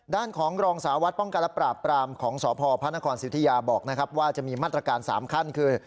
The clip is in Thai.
ด้านของรองสาวัดป้องการปราบปรามของสพพศิวธิยาบอกนะครับว่าจะมีมาตรการสามขั้นคือ